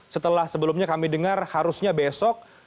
setelah sebelumnya kami dengar harusnya besok